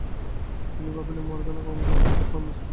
তিনি Dabney, Morgan এবং কোং নামে একটা ফার্মের সদস্য ছিলেন।